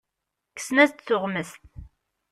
Kksen-as-d tuɣmest.